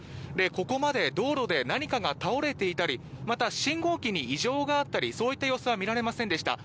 ここまで道路で何かが倒れていたりまた信号機に異常があったりそういった様子は見られませんでした。